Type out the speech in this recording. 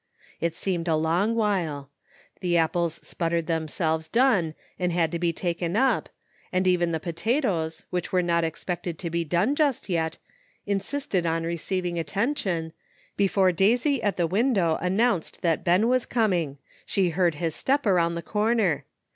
It seemed a long while. The ap ples sputtered themselves done and had to be taken up, and even the potatoes, which were not expected to be done just yet, insisted on receiving attention, before Daisy at the window announced that Ben was coming ; she heard his step around the corner.